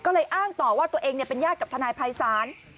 ก็เลยอ้างต่อว่าตัวเองเป็นญาติกับทนายภัยศาล